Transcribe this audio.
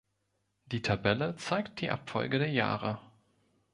Die Tabelle zeigt die Abfolge der Jahre.